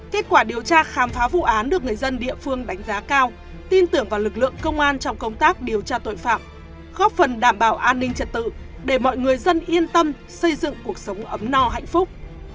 kết quả điều tra khám phá vụ án được người dân địa phương đánh giá cao tin tưởng vào lực lượng công an trong công tác điều tra tội phạm góp phần đảm bảo an ninh trật tự để mọi người dân yên tâm xây dựng cuộc sống ấm no hạnh phúc